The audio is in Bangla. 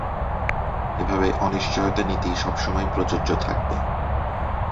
এভাবে অনিশ্চয়তা নীতি সবসময়ই প্রযোজ্য থাকবে।